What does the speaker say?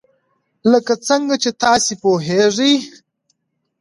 لکه څنګه چې تاسو پوهیږئ.